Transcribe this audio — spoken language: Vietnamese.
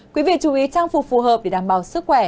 quý vị chú ý trang phục phù hợp để đảm bảo sức khỏe